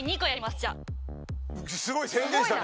すごいな。